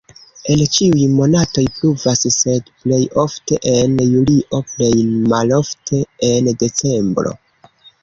En ĉiuj monatoj pluvas, sed plej ofte en julio, plej malofte en decembro.